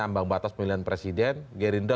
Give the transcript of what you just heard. ambang batas pemilihan presiden gerindra